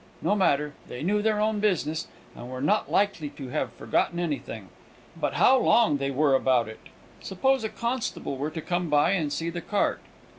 No matter; they knew their own business, and were not likely to have forgotten anything. But how long they were about it! Suppose a constable were to come by and see the cart!